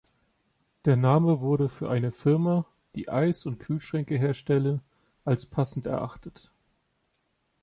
Der Name wurde für eine Firma, die Eis- und Kühlschränke herstelle, als passend erachtet.